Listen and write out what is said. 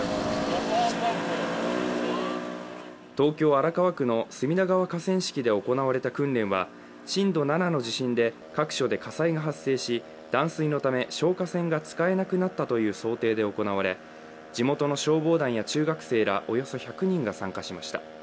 東京・荒川区の隅田川河川敷で行われた訓練は、震度７の地震で各所で火災が発生し断水のため消火栓が使えなくなったという想定で行われ地元の消防団や中学生らおよそ１００人が参加しました。